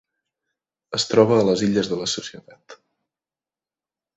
Es troba a les Illes de la Societat.